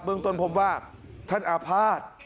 เมืองต้นพบว่าท่านอาภาษณ์